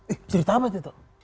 ih cerita apa tuh toh